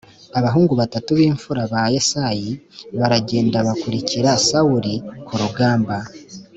abahungu batatu b imfura ba yesayi baragenda bakurikira sawuli ku rugamba